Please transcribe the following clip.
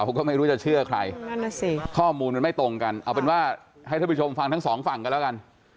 ข้อมูลมันไม่ตรงกันเอาเป็นว่าให้ทุกผู้ชมฟังทั้ง๒ฝั่งกันแล้วกัน